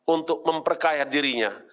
untuk memperkaya dirinya